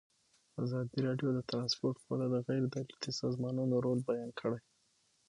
ازادي راډیو د ترانسپورټ په اړه د غیر دولتي سازمانونو رول بیان کړی.